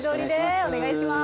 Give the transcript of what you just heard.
お願いします。